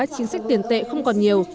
chính sách tiền tệ không còn nhiều